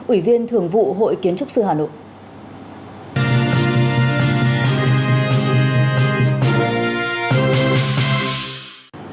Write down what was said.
ủy viên thường vụ hội kiến trúc sư hà nội